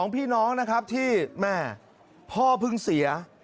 พี่น้องนะครับที่แม่พ่อเพิ่งเสีย